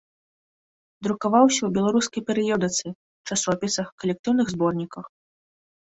Друкаваўся ў беларускай перыёдыцы, часопісах, калектыўных зборніках.